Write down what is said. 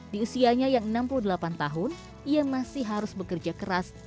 di usianya yang enam puluh delapan tahun ia masih harus bekerja keras